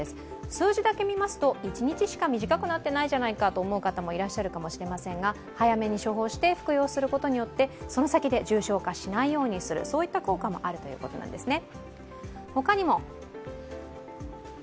数字だけ見ますと１日しか短くなってないじゃないかと思う方もいらっしゃるかもしれませんが早めに処方して服用することによって、この先で重症化しないようにする効果もあるということですね。